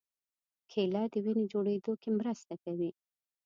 کېله د وینې جوړېدو کې مرسته کوي.